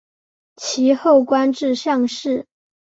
其后官至上士。